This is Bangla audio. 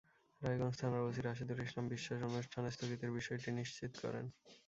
রায়গঞ্জ থানার ওসি রাশেদুল ইসলাম বিশ্বাস অনুষ্ঠান স্থগিতের বিষয়টি নিশ্চিত করেন।